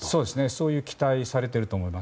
そういう期待されていると思います。